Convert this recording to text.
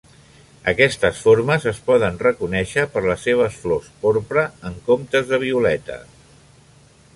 Aquestes formes es poden reconèixer per les seves flors porpra en comptes de violeta.